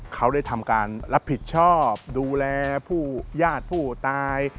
เขาได้ทำการรับผิดชอบดูแลผู้ญาติผู้ตาย